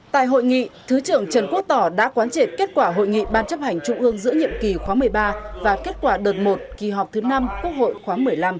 tại hội nghị thứ trưởng trần quốc tỏ đã quán triệt kết quả hội nghị ban chấp hành trung ương giữa nhiệm kỳ khóa một mươi ba và kết quả đợt một kỳ họp thứ năm quốc hội khóa một mươi năm